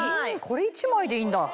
これ１枚でいいんだ。